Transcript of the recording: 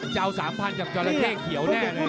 เจ้าสามพันธุ์จับจอลาเทศเขียวแน่เลย